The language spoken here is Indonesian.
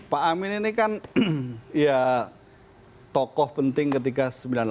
pak amin ini kan ya tokoh penting ketika sembilan puluh delapan